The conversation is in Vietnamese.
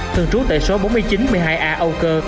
thường trú tại số bốn nghìn chín trăm một mươi hai a âu cơ